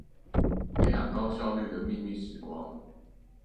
培養高效率的祕密時光